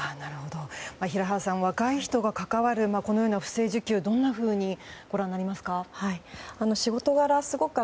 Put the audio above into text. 平原さん、若い方が関わるこのような不正受給をどうご覧になりますか？